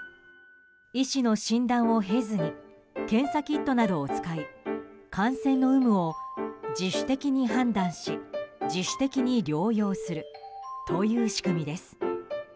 医師の診断を経ずに検査キットなどを使い感染の有無を自主的に判断し自主的に療養するという仕組みです。